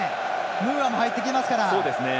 ムーアも入ってきますから。